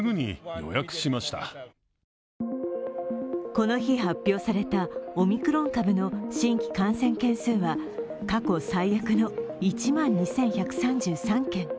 この日発表されたオミクロン株の新規感染件数は過去最悪の１万２１３３件。